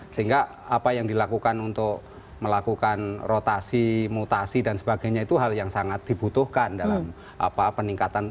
sehingga apa yang dilakukan untuk melakukan rotasi mutasi dan sebagainya itu hal yang sangat dibutuhkan dalam peningkatan